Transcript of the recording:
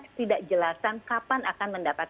kami sudah melakukan pengumuman di rumah